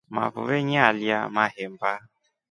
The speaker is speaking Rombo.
Mafuve nyalya mahemba.